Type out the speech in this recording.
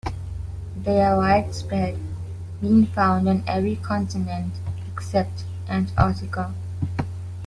They are widespread, being found on every continent except Antarctica.